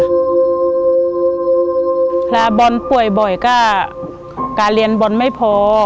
เวลาบอลป่วยบ่อยก็การเรียนบอลไม่พอ